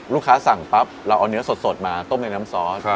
สั่งปั๊บเราเอาเนื้อสดมาต้มในน้ำซอส